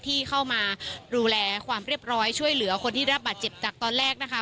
ที่เข้ามาดูแลความเรียบร้อยช่วยเหลือคนที่รับบาดเจ็บจากตอนแรกนะคะ